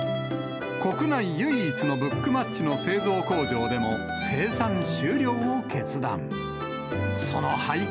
国内唯一のブックマッチの製造工場でも生産終了を決断。